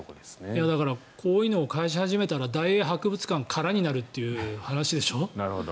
だからこういうのを返し始めたら大英博物館が空になるという話でしょ？